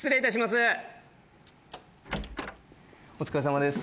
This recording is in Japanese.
お疲れさまです。